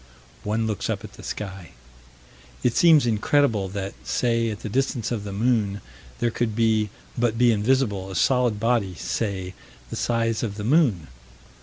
One looks up at the sky. It seems incredible that, say, at the distance of the moon, there could be, but be invisible, a solid body, say, the size of the moon.